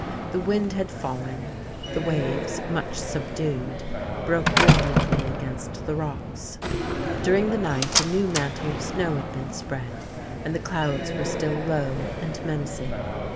The wind had fallen; the waves, much subdued, broke rhythmically against the rocks; during the night a new mantle of snow had been spread, and the clouds were still low and menacing.